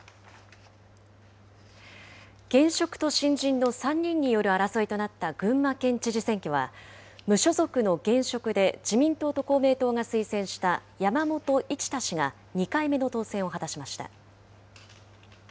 現職と新人の３人による争いとなった群馬県知事選挙は、無所属の現職で自民党と公明党が推薦した山本一太氏が、２回目の当選を果たしました。